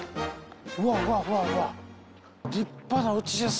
うわうわうわうわ。